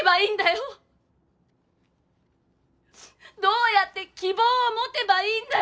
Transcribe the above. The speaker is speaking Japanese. ううっどうやって希望を持てばいいんだよ。